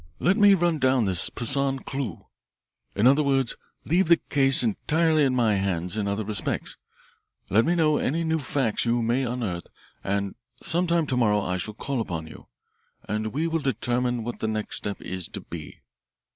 Let me run down this Poissan clue. In other words, leave the case entirely in my hands in other respects. Let me know any new facts you may unearth, and some time to morrow I shall call on you, and we will determine what the next step is to be.